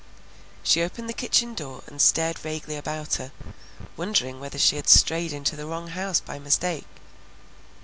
She opened the kitchen door and stared vaguely about her, wondering whether she had strayed into the wrong house by mistake.